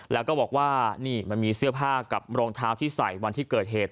แล้วก็บอกว่านี่มันมีเสื้อผ้ากับรองเท้าที่ใส่วันที่เกิดเหตุ